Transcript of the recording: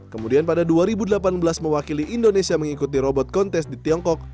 kemudian pada dua ribu delapan belas mewakili indonesia mengikuti robot kontes di tiongkok